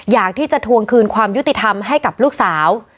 อยากที่จะทวงคืนความยุติธรรมให้กับลูกสาว